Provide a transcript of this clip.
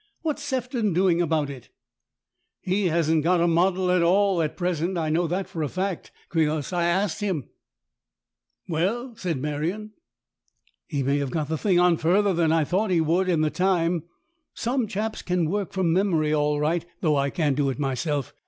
What's Sefton doing about it ?"" He hasn't got a model at all at present. I know that for a fact, because I asked him." ROSE ROSE 153 "Well," said Merion, "he may have got the thing on further than I thought he would in the time. Some chaps can work from memory all right, though I can't do it myself.